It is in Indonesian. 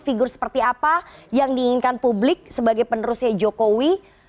figur seperti apa yang diinginkan publik sebagai penerusnya jokowi